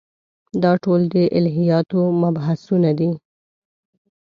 دا ټول د الهیاتو مبحثونه دي.